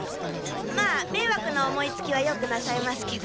まあめいわくな思いつきはよくなさいますけど。